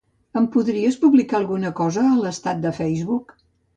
Em podries publicar alguna cosa a l'estat de Facebook?